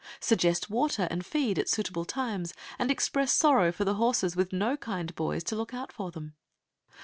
Suggest water and feed at suitable times, and express sorrow for the horses with no kind boys to look out for them.